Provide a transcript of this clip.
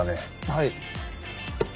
はい。